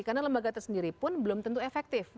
karena lembaga tersendiri pun belum tentu efektif